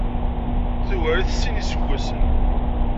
Tugar-it s sin n yiseggasen.